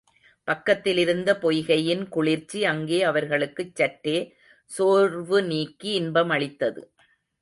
பக்கத்திலிருந்த பொய்கையின் குளிர்ச்சி அங்கே அவர்களுக்குச் சற்றே சோர்வு நீக்கி இன்பம் அளித்தது.